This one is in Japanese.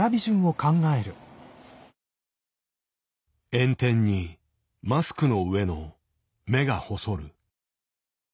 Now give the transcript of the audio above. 「炎天にマスクの上の目が細る」。